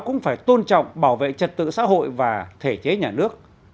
cũng phải tôn trọng bảo vệ trật tự xã hội và thể chế nhà nước